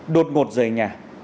đột ngột rời nhà